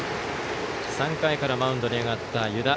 ３回からマウンドに上がった湯田。